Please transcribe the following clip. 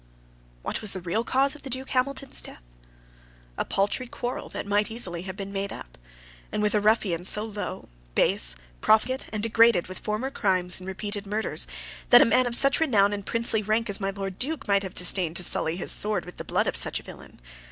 What was the real cause of the Duke Hamilton's death? a paltry quarrel that might easily have been made up, and with a ruffian so low, base, profligate, and degraded with former crimes and repeated murders, that a man of such renown and princely rank as my Lord Duke might have disdained to sully his sword with the blood of such a villain.